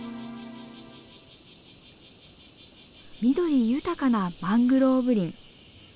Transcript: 緑豊かなマングローブ林。